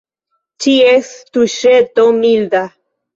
Ĉies tuŝeto – milda.